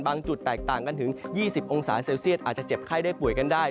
จุดแตกต่างกันถึง๒๐องศาเซลเซียตอาจจะเจ็บไข้ได้ป่วยกันได้